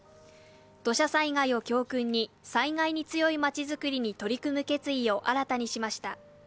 土砂災害を教訓に、災害に強い町づくりに取り組む決意を新たにしました。